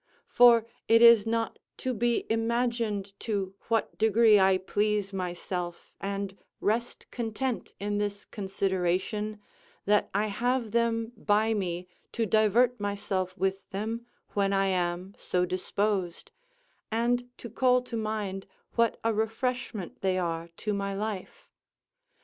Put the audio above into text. For it is not to be imagined to what degree I please myself and rest content in this consideration, that I have them by me to divert myself with them when I am so disposed, and to call to mind what a refreshment they are to my life.